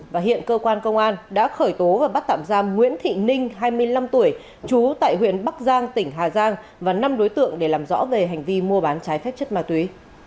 và hiện cơ quan công an đã khởi tố và bắt tạm giam nguyễn thị ninh hai mươi năm tuổi trú tại huyện bắc giang tỉnh hà giang và năm đối tượng để làm rõ về hành vi mua bán trái phép chất ma túy